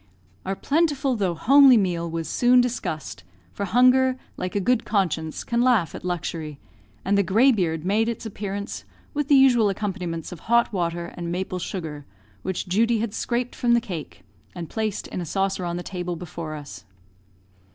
Our plentiful though homely meal was soon discussed, for hunger, like a good conscience, can laugh at luxury; and the "greybeard" made its appearance, with the usual accompaniments of hot water and maple sugar, which Judy had scraped from the cake, and placed in a saucer on the table before us.